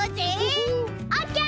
オッケー！